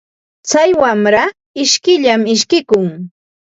Tsay wamra ishkiyllam ishkikun.